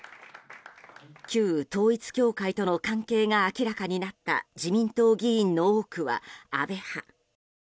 旧統一教会との関係が明らかになった自民党議員の多くは安倍派。